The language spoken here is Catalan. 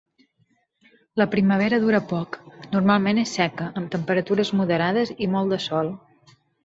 La primavera dura poc, normalment és seca amb temperatures moderades i molt de sol.